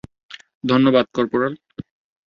ধন্যবাদ, কর্পোরাল!